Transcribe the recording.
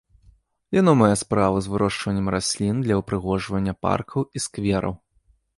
Яно мае справу з вырошчваннем раслін для ўпрыгожвання паркаў і сквераў.